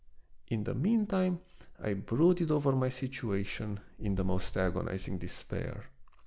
In the mean time I brooded over my situation in the most agonizing despair.